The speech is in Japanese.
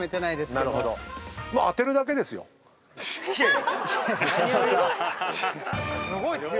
すごい！